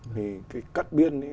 thì cái cất biên ấy nó